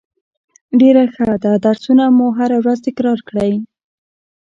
ډیره ښه ده درسونه مو هره ورځ تکرار کړئ